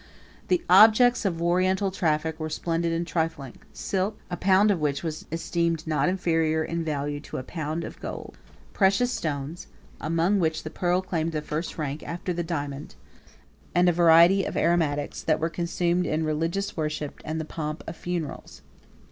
103 The objects of oriental traffic were splendid and trifling; silk, a pound of which was esteemed not inferior in value to a pound of gold; 104 precious stones, among which the pearl claimed the first rank after the diamond; 105 and a variety of aromatics, that were consumed in religious worship and the pomp of funerals.